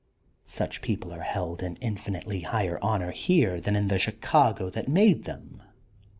Such people are held in infinitely higher honor here than in the Chicago that made them.